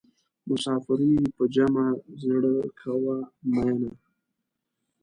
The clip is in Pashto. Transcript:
مسافري په جمع زړه کوه مینه.